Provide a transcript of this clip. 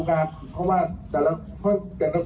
ได้ขวานมีดไปแรมขวานสี่ไปงัดตู้บริจาค